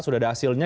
sudah ada hasilnya